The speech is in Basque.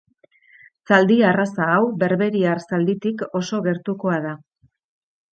Zaldi arraza hau berberiar zalditik oso gertukoa da.